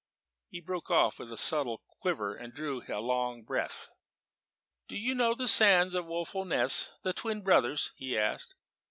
he broke off with a subtle quiver and drew a long breath. "Do you know the sands by Woeful Ness the Twin Brothers?" he asked.